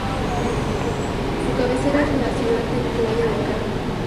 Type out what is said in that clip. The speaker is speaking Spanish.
Su cabecera es la ciudad de Playa del Carmen.